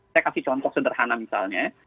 saya kasih contoh sederhana misalnya